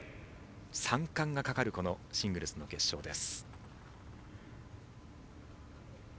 三冠がかかるシングルスの決勝です。